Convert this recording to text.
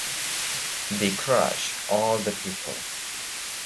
They crushed all the people.